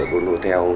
hôn đô theo